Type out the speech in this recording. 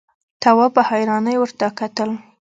تواب په حيرانۍ ورته کتل…